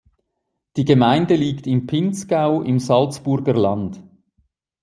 Die Gemeinde liegt im Pinzgau im Salzburger Land.